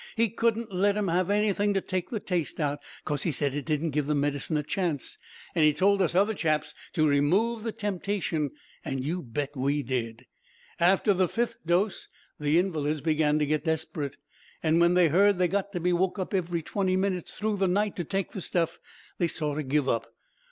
He wouldn't let 'em have anything to take the taste out, 'cos he said it didn't give the medicine a chance, an' he told us other chaps to remove the temptation, an' you bet we did. "After the fifth dose, the invalids began to get desperate, an' when they heard they'd got to be woke up every twenty minutes through the night to take the stuff, they sort o' give up.